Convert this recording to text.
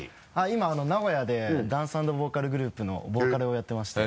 今名古屋でダンス＆ボーカルグループのボーカルをやってまして。